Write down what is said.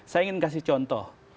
saya ingin kasih contoh